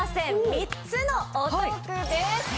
３つの「お得」です。